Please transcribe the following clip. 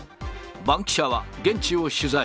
バンキシャは現地を取材。